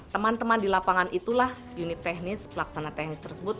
teman teman di lapangan itulah unit teknis pelaksana teknis tersebut